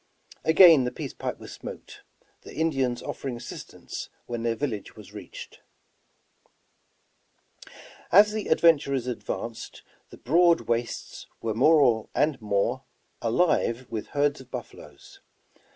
Again the peace pipe was smoked, the Indians offering assistance when their village was reached. As the adventurers advanced, the broad wastes were more and more alive with herds of buffaloes.